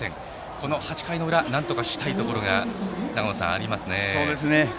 この８回の裏なんとかしたいところが長野さん、ありますね。